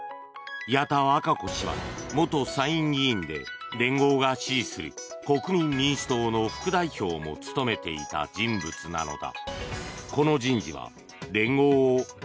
矢田稚子氏は元参院議員で連合が支持する国民民主党の副代表も務めていた人物なのだ。